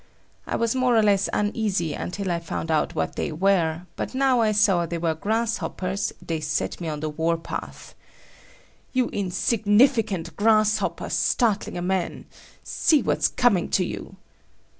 I was more or less uneasy until I found out what they were, but now I saw they were grasshoppers, they set me on the war path. "You insignificant grasshoppers, startling a man! See what's coming to you!"